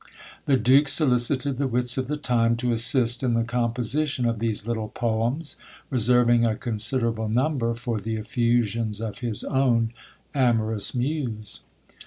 The duke solicited the wits of the time to assist in the composition of these little poems, reserving a considerable number for the effusions of his own amorous muse.